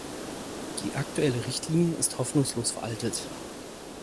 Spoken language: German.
Die aktuelle Richtlinie ist hoffnungslos veraltet.